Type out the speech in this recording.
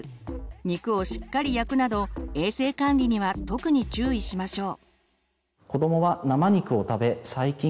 肉をしっかり焼くなど衛生管理には特に注意しましょう。